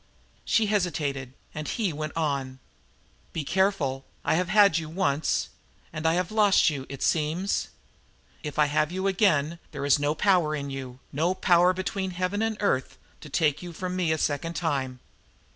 She hesitated, and he went on: "Be careful. I have had you once, and I have lost you, it seems. If I have you again there is no power in you no power between earth and heaven to take you from me a second time.